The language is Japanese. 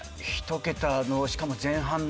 １桁のしかも前半。